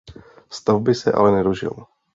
Stavby se ale nedožil.